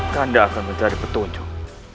kanda akan menjadi petunjuk